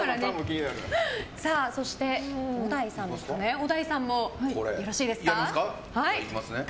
そして、小田井さんもよろしいですか？